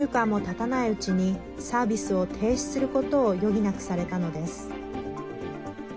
１週間もたたないうちにサービスを停止することを余儀なくされたのです。